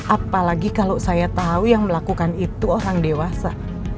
apalagi kalau saya tahu yang melakukan itu orang dewasa